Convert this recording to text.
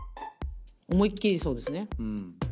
思いっ切りそうですね。